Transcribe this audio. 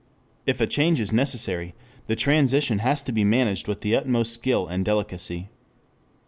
If a change is necessary, the transition has to be managed with the utmost skill and delicacy.